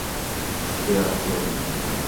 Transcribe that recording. پیاس مری